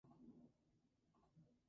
Así nace "Se viene el dos mil".